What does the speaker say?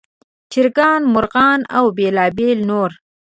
چرګان، مرغان او بېلابېل نور.